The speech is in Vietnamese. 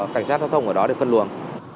cảnh sát giao thông ở đó để phân luồng